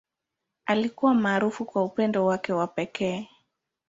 Alikuwa maarufu kwa upendo wake wa pekee.